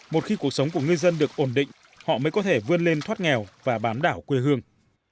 một khi cuộc sống của ngư dân được ổn định họ mới có thể vươn lên thoát nghèo và bám đảo quê hương